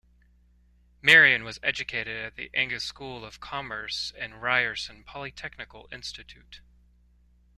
Marion was educated at the Angus School of Commerce and Ryerson Polytechnical Institute.